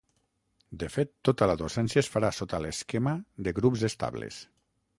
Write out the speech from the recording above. De fet, tota la docència es farà sota l’esquema de grups estables.